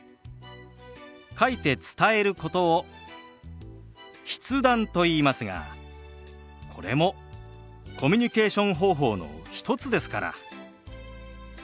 書いて伝えることを「筆談」といいますがこれもコミュニケーション方法の一つですから。